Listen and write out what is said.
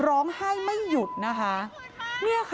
โชว์บ้านในพื้นที่เขารู้สึกยังไงกับเรื่องที่เกิดขึ้น